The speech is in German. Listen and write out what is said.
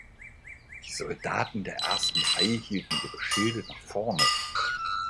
Die Soldaten der ersten Reihe hielten ihre Schilde nach vorne.